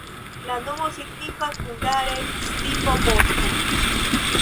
La nomo signifas hungare: stipo-bosko.